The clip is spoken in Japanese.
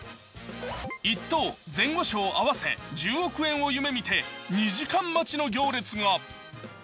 １等、前後賞合わせて１０億円を夢見て２時間待ちの行列が。